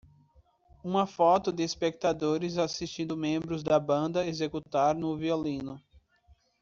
Uma foto de espectadores assistindo membros da banda executar no violino.